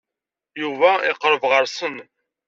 Yuba iqerreb ɣer-sen.